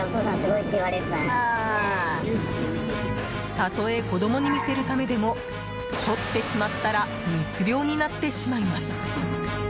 たとえ子供に見せるためでもとってしまったら密漁になってしまいます。